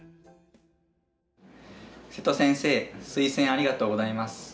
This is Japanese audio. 瀬戸先生推薦ありがとうございます。